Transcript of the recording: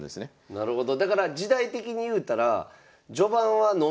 なるほど。